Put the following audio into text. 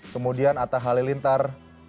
kemudian ata halilintar